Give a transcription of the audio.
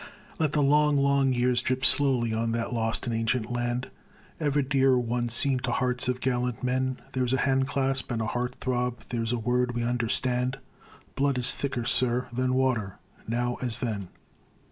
Let the long, long years drip slowly on that lost and ancient land, Ever dear one scene to hearts of gallant men; There's a hand clasp and a heart throb, there's a word we understand: Blood is thicker, sir, than water, now as then.